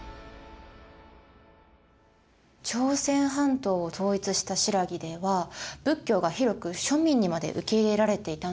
朝鮮半島を統一した新羅では仏教が広く庶民にまで受け入れられていたんですね。